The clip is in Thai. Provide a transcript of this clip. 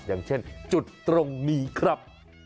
อย่างเช่นจุดตรงนี้ครับ